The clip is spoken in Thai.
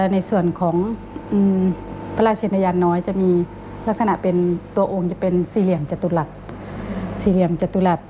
ในส่วนของพระราชเนรยาน้อยจะมีลักษณะเป็นตัวองค์จะเป็นสี่เหลี่ยงจตุรัส